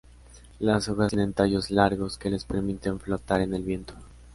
Las hojas tienen tallos largos que les permiten flotar en el viento.